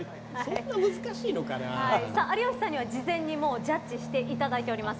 有吉さんには事前にジャッジしただいております。